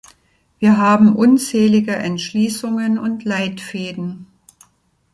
Wir haben unzählige Entschließungen und Leitfäden.